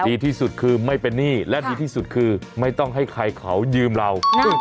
ดีที่สุดคือไม่เป็นหนี้และดีที่สุดคือไม่ต้องให้ใครเขายืมเรา